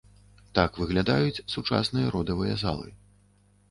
Так выглядаюць сучасныя родавыя залы.